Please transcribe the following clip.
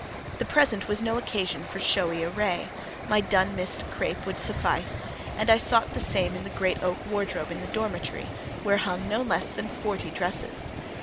The present was no occasion for showy array; my dun mist crape would suffice, and I sought the same in the great oak wardrobe in the dormitory, where hung no less than forty dresses.